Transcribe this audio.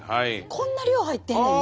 こんな量入ってんねんね。